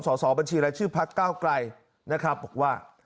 สอบบัญชีรายชื่อพักเก้าไกลนะครับบอกว่า